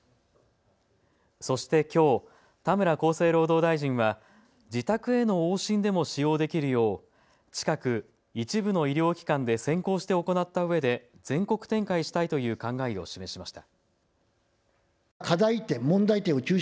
そしてきょう、田村厚生労働大臣は自宅への往診でも使用できるよう近く一部の医療機関で先行して行ったうえで全国展開したいという考えを示しました。